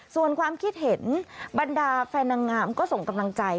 ส่วนความคิดเห็นบรรดาแฟนนางงามก็ส่งกำลังใจ